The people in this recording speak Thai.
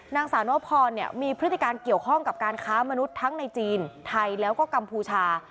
นางสาวนวพรมีพฤติการเกี่ยวข้องกับการค้ามนุษย์ทั้งในจีนไทยแล้วก็กัมพูชา